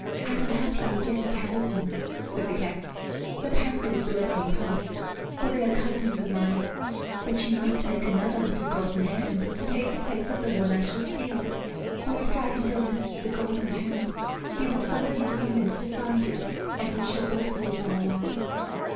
"I will help you get the talisman," said the cat. "The panthers will let me pass, for they are cousins of mine. But you must make another little golden hand to take the place of the one I shall steal; for if Dragondel misses the golden hand, he will summon his demons to find it, and we shall both lose our lives.